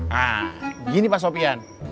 nah gini pak sopian